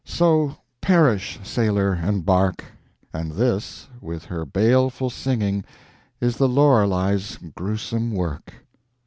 So perish sailor and bark; And this, with her baleful singing, Is the Lorelei's gruesome work.